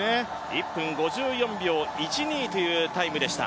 １分５４秒１２というタイムでした。